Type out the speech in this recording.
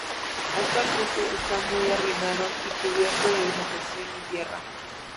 Actualmente está muy arruinado y cubierto de vegetación y tierra.